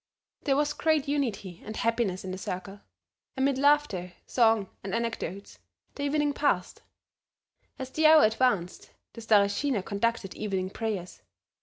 There was great unity and happiness in the circle. Amid laughter, song and anecdotes the evening passed; as the hour advanced the Stareshina conducted evening prayers.